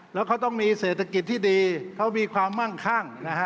แล้วเขาต้องมีเศรษฐกิจที่ดีเขามีความมั่งคั่งนะฮะ